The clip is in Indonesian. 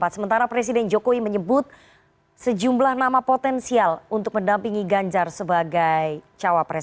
sementara presiden jokowi menyebut sejumlah nama potensial untuk mendampingi ganjar sebagai cawapres